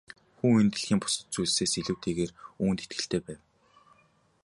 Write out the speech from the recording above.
Хүү энэ дэлхийн бусад бүх зүйлсээс илүүтэйгээр үүнд итгэлтэй байв.